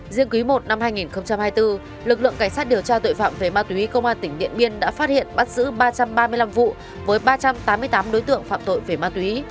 riêng quý i năm hai nghìn hai mươi bốn lực lượng cảnh sát điều tra tội phạm về ma túy công an tỉnh điện biên đã phát hiện bắt giữ ba trăm ba mươi năm vụ với ba trăm tám mươi tám đối tượng phạm tội về ma túy